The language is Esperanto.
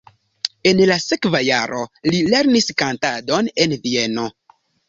En la sekva jaro li lernis kantadon en Vieno.